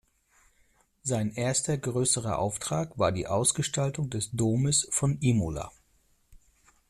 Sein erster größerer Auftrag war die Ausgestaltung des Domes von Imola.